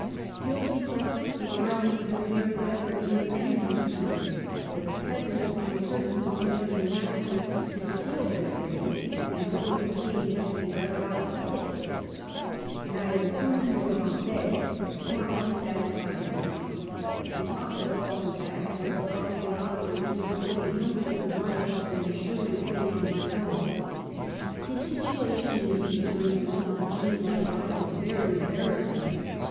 Still he thought the army would have fared better in an enemy's country, for the peasants, uncertain who was to be master, concealed their grain, and what was obtained had to be dug out of pits. Neither Poona nor Bombay Ill MARCHES AGAINST SCINDIA 69 promptly satisfied his wants; he talked of falling back, and of the folly of operating so many hundreds of miles from an assured base in Mysore. His situation, indeed, during the months of June and July, was very embarrassing.